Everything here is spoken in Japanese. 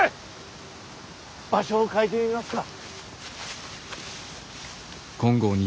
場所を変えてみますか。